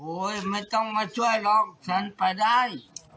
ไม่ต้องมาช่วยหรอกฉันไปได้